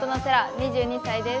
２２歳です。